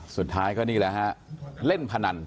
สุดท้ายก็นี่แหละฮะเล่นพนัน